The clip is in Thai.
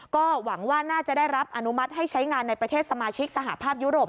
ก็หวังว่าน่าจะได้รับอนุมัติให้ใช้งานในประเทศสมาชิกสหภาพยุโรป